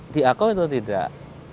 di akau itu tidak